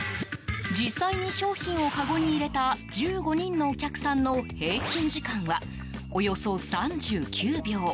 実際に商品をかごに入れた１５人のお客さんの平均時間はおよそ３９秒。